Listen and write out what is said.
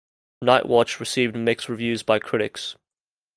"Nightwatch" received mixed reviews by critics.